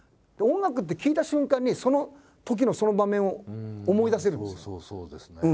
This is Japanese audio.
でも音楽って聴いた瞬間にそのときのその場面を思い出せるんですよ。